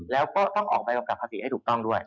แล้วก็ต้องออกใบกำกับภาษีให้ถูกต้องด้วย